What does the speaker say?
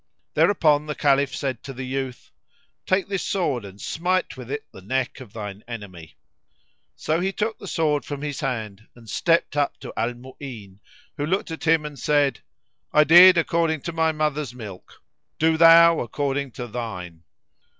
Thereupon the Caliph said to the youth, "Take this sword and smite with it the neck of thine enemy." So he took the sword from his hand and stepped up to Al Mu'ín who looked at him and said, "I did according to my mother's milk, do thou according to thine."